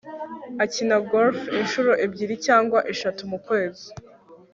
akina golf inshuro ebyiri cyangwa eshatu mukwezi